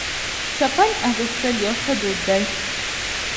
چپن اغوستل یو ښه دود دی.